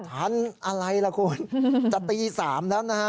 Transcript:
ชั้นอะไรล่ะคุณจะตี๓แล้วนะฮะ